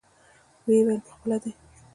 ويې ويل پخپله دى.